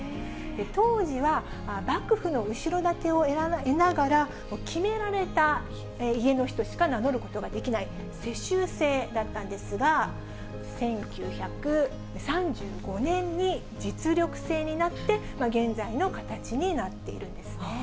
当時は幕府の後ろ盾を得ながら、決められた家の人しか名乗ることができない世襲制だったんですが、１９３５年に実力制になって、現在の形になっているんですね。